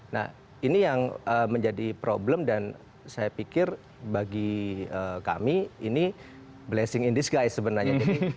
nah ini yang menjadi problem dan saya pikir bagi kami ini blessing in disguise sebenarnya